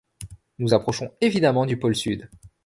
Nous approchons évidemment du pôle sud!